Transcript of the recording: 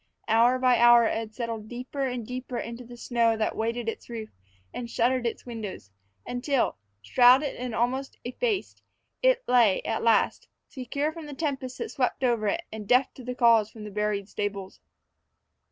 Hour by hour it had settled deeper and deeper into the snow that weighted its roof and shuttered its windows, until, shrouded and almost effaced, it lay, at last, secure from the tempest that swept over it and deaf to the calls from the buried stables.